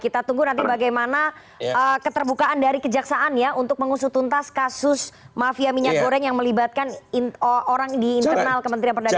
kita tunggu nanti bagaimana keterbukaan dari kejaksaan ya untuk mengusutuntas kasus mafia minyak goreng yang melibatkan orang di internal kementerian perdagangan